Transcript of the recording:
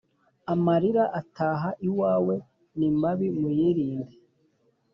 Amarira ataha iwawe ni mabi muyirinde.